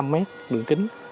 năm mét đường kính